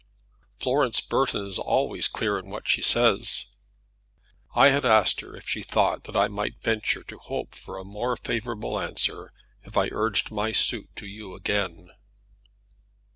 "Florence Burton is always clear in what she says." "I had asked her if she thought that I might venture to hope for a more favourable answer if I urged my suit to you again."